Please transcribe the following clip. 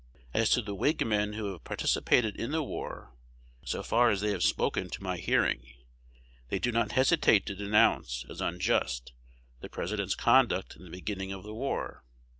As to the Whig men who have participated in the war, so far as they have spoken to my hearing, they do not hesitate to denounce as unjust the President's conduct in the beginning of the war.